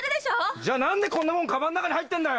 じゃあ何でこんなもんかばんの中に入ってんだよ！